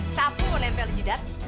sapu mau nempel jidat